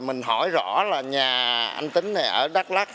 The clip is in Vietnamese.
mình hỏi rõ là nhà anh tính này ở đắk lắc